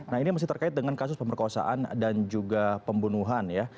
nah ini masih terkait dengan kasus pemerkosaan dan juga pembunuhan ya